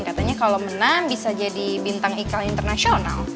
katanya kalo menang bisa jadi bintang ikal internasional